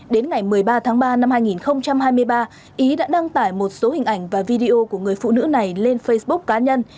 đến ngày một mươi ba tháng ba năm hai nghìn hai mươi ba ý đã đăng tải một số hình ảnh và video của người phụ nữ này lên facebook cá nhân